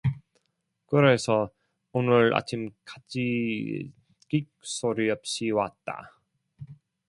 그래서 오늘 아침까지 끽소리 없이 왔다.